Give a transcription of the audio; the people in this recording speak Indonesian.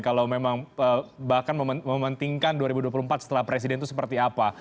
kalau memang bahkan mementingkan dua ribu dua puluh empat setelah presiden itu seperti apa